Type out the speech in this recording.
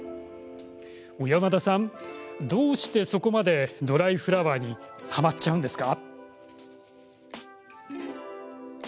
小山田さん、どうしてそこまでドライフラワーにハマっちゃうんですか？